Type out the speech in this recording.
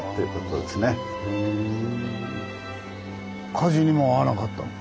火事にも遭わなかったんだ。